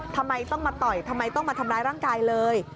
ทำไมต้องมาต่อยทำไมต้องมาทำร้ายร่างกายเลย